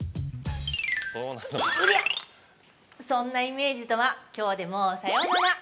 そんなイメージとは、きょうでもうさよなら！